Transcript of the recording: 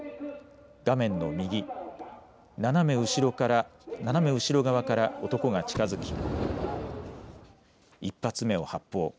画面の右、斜め後ろ側から男が近づき１発目を発砲。